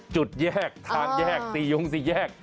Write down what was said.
จุดแยกทางแยกตียุ่งสิแยก